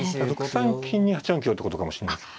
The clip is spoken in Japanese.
６三金に８四香ってことかもしれないです。